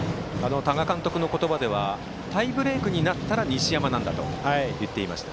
多賀監督の言葉ではタイブレークになったら西山なんだと言っていました。